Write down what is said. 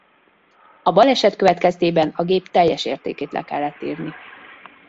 A baleset következtében a gép teljes értékét le kellett írni.